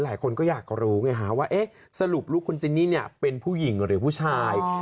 หลายคนก็อยากรู้ไงฮะว่าสรุปลูกคุณเจนนี่เป็นผู้หญิงหรือผู้ชาย